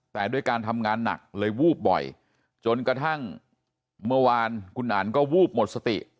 แต่ด้วยการทำงานหนักเลยวูบบ่อยจนกระทั่งเมื่อวานคุณอันก็วูบหมดสติ